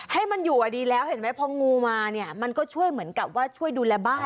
ให้มันอยู่ดีแล้วเห็นไหมพองูมาเนี่ยมันก็ช่วยเหมือนกับว่าช่วยดูแลบ้าน